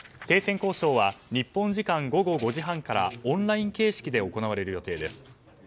停戦交渉は日本時間午後５時半からオンライン形式で行われる予定です。